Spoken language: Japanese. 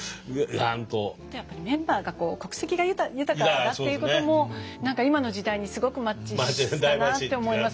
あとやっぱりメンバーが国籍が豊かだっていうことも何か今の時代にすごくマッチしたなと思います。